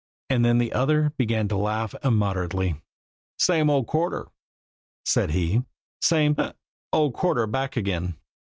And then the other began to laugh immoderately. "Same ol' quarter," said he. "Same hic! ol' quarter back again.